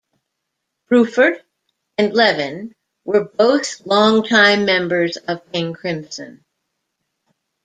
Bruford and Levin were both longtime members of King Crimson.